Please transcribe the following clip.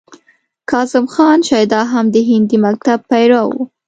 کاظم خان شیدا هم د هندي مکتب پیرو و.